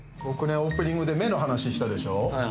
オープニングで目の話したでしょ。